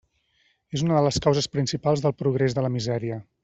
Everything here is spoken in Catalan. És una de les causes principals del «progrés de la misèria».